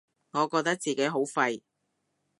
我覺得自己好廢